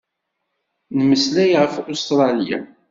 Nmeslay ɣef Ustṛalya.